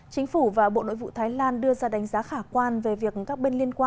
chính phủ và bộ nội vụ thái lan đưa ra đánh giá khả quan về việc các bên liên quan